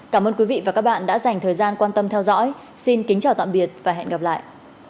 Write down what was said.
cảm ơn quý vị và các bạn đã dành thời gian quan tâm theo dõi xin kính chào tạm biệt và hẹn gặp lại